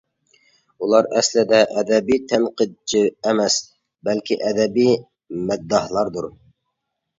ئۇلار ئەسلىدە ئەدەبىي تەنقىدچى ئەمەس، بەلكى ئەدەبىي مەدداھلاردۇر.